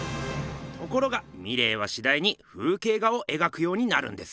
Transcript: ところがミレーはしだいに風景画を描くようになるんです。